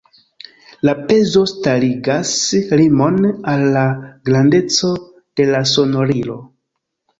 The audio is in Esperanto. La pezo starigas limon al la grandeco de la sonorilo.